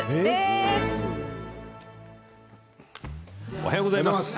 おはようございます。